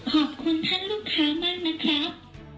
ขอบคุณท่านลูกค้ามากนะครับ